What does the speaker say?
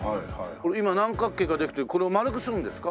今何角形かできてこれを丸くするんですか？